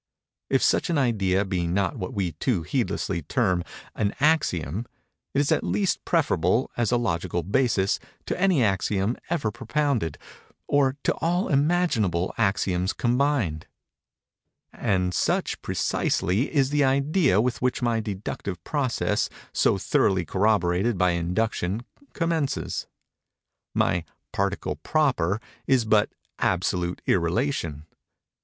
If such an idea be not what we too heedlessly term "an axiom," it is at least preferable, as a Logical basis, to any axiom ever propounded, or to all imaginable axioms combined:—and such, precisely, is the idea with which my deductive process, so thoroughly corroborated by induction, commences. My particle proper is but absolute Irrelation.